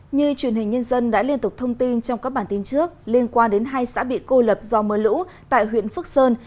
như truyền hình nhân dân đã liên tục thông tin trong các bản tin trước liên quan đến hai xã bị cô lập do mưa lũ tại huyện phước sơn